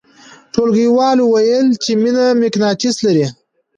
ټولګیوالو ویل چې مینه مقناطیس لري